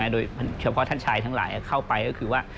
โดยเฉพาะท่านชายทั้งหลายเข้าไปก็คือว่า